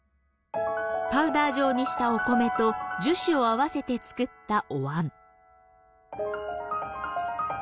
パウダー状にしたお米と樹脂を合わせて作ったおわん。